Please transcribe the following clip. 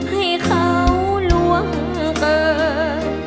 ให้เขาล่วงเกิน